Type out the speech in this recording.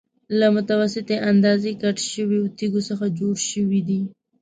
له متوسطې اندازې کټ شویو تېږو څخه جوړه شوې ده.